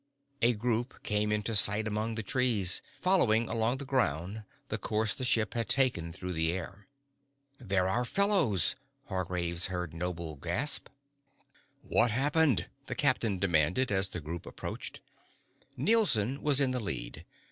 A group came into sight among the trees, following along the ground the course the ship had taken through the air. "They're our fellows!" Hargraves heard Noble gasp. "What happened?" the captain demanded, as the group approached. Nielson was in the lead.